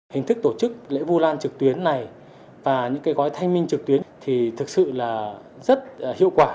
hình thức tổ chức lễ vu lan trực tuyến này và những gói thanh minh trực tuyến thì thực sự là rất hiệu quả